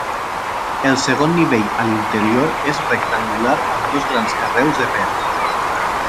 El segon nivell a l'interior és rectangular amb dos grans carreus de pedra.